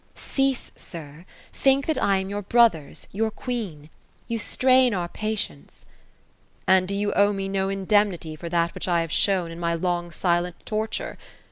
" Cease, sir ; think that. I am your brother's ;— ^your queen. Yi.u strain our patience." " And do you pwe me no indemnity for that which I have shown, in my long silent torture